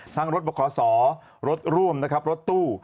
ทั้งรถปศรถรุ่มนะครับรถตู้